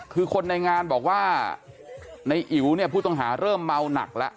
คือคนในงานบอกว่าในอิ๋วเนี่ยผู้ต้องหาเริ่มเมาหนักแล้ว